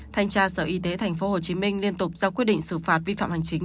thanh tra sở y tế tp hcm liên tục giao quyết định xử phạt vi phạm hành chính